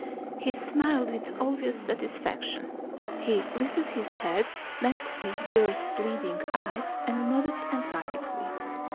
He smiled with obvious satisfaction. He lifted his head, met Miss Beaver's pleading eyes, and nodded emphatically.